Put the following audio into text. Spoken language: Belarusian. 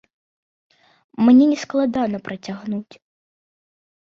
Мне не складана працягнуць.